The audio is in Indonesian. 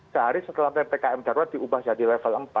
sehari setelah ppkm darurat diubah jadi level empat